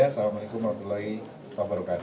assalamu'alaikum warahmatullahi wabarakatuh